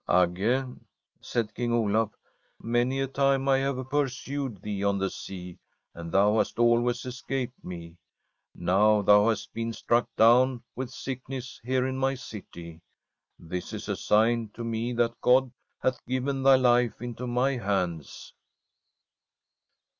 ' Agge,' said King Olaf, ' many a time I have pursued thee on the sea, and thou hast always escaped me. Now thou hast been struck down with sickness here in my city. This is a sign to me that God hath given thy life into my hands.